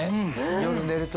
夜寝る時。